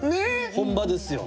本場ですよ。